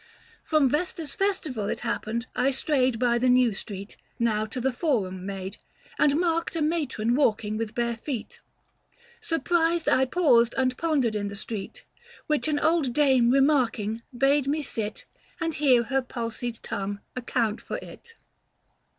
From Vesta's festival, it happed, I strayed 465 By the new street, now to the Forum made, And 'marked a matron walking with bare feet ; Surprised I paused, and pondered in the street ; Which an old dame remarking, bade me sit And hear her palsied tongue account for it.